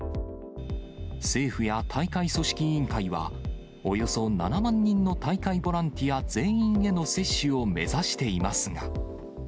政府や大会組織委員会は、およそ７万人の大会ボランティア全員への接種を目指していますが。